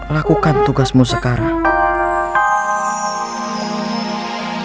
lakukan tugasmu sekarang